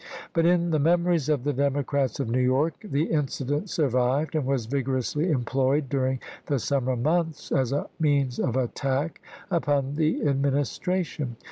But in the memories of the Democrats of New York the incident survived, and was vigorously employed during the summer months as a means of attack upon the Administration.